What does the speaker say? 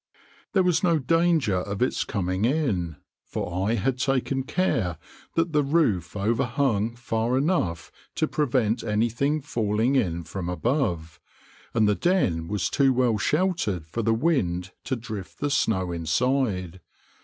There was no danger of its coming in, for I had taken care that the roof overhung far enough to prevent anything falling in from above, and the den was too well sheltered for the wind to drift the snow inside.